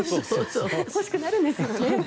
欲しくなるんですよね。